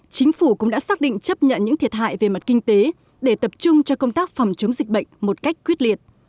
chính phủ cũng đã xác định chấp nhận những thiệt hại về mặt kinh tế để tập trung cho công tác phòng chống dịch bệnh một cách quyết liệt